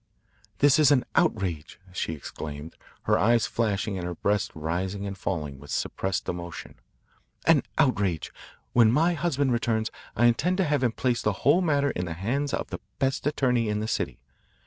"This is an outrage," she exclaimed, her eyes flashing and her breast rising and falling with suppressed emotion, "an outrage. When my husband returns I intend to have him place the whole matter in the hands of the best attorney in the city.